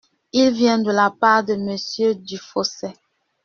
Il vient de la part de Monsieur Dufausset.